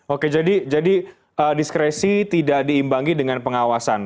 oke jadi diskresi tidak diimbangi dengan pengawasan